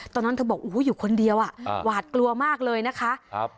ตอนนั้นเธอบอกโอ้โหอยู่คนเดียวอ่ะหวาดกลัวมากเลยนะคะครับ